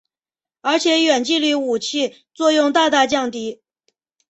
而且远距离武器作用大大降低。